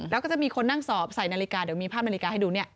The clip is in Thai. แล้วก็จะมีคนนั่งสอบใส่นาฬิกาเดี๋ยวมีภาพนาฬิกาให้ดูเนี่ย